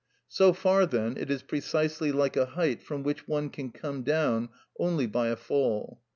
So far, then, it is precisely like a height from which one can come down only by a fall.